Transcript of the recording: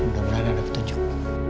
udah mulai ada petunjuk